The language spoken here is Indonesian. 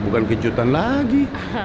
bukan kejutan lagi